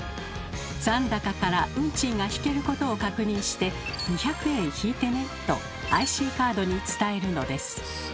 残高から運賃が引けることを確認して「２００円引いてね」とＩＣカードに伝えるのです。